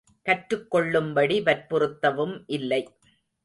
கற்றுக்கொள்ளும்படி வற்புறுத்தவும் இல்லை.